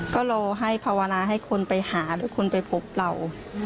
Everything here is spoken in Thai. ก็รอให้ภาวนาให้คนไปหาหรือคนไปพบเรา